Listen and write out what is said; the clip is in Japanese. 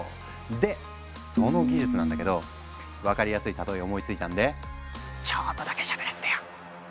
でその技術なんだけど分かりやすい例え思いついたんでちょっとだけしゃべらせてよ。